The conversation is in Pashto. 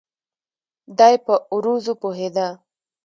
دای په عروضو پوهېده.